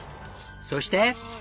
そして。